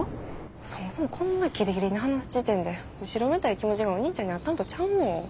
そもそもこんなギリギリに話す時点で後ろめたい気持ちがお兄ちゃんにあったんとちゃうの？